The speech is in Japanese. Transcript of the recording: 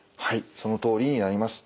そのとおりになります。